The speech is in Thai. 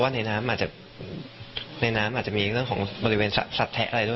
เพราะว่าในน้ำอาจจะมีเรื่องของบริเวณสัตว์แทะอะไรด้วย